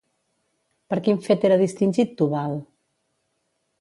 Per quin fet era distingit Tubal?